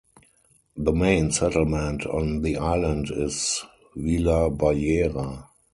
The main settlement on the island is Vila Baleira.